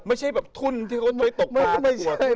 ไม่ใช่แบบทุนที่เขาใช้ตกปลาตากลัวตุกปลา